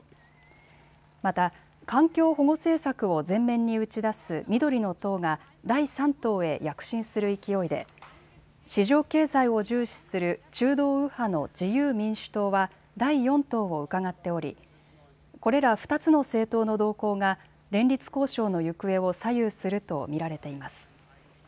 また、環境保護政策を前面に打ち出す緑の党が第３党へ躍進する勢いで市場経済を重視する中道右派の自由民主党は第４党をうかがっており、これら２つの政党の動向が連立交渉の行方を左右すると見られています。